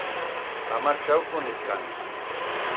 Ha marchau con es cans.